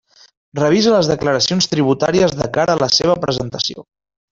Revisa les declaracions tributàries de cara a la seva presentació.